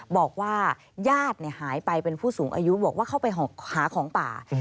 บอกว่าญาติหายไปเป็นผู้สูงอายุบอกว่าเข้าไปหาของป่า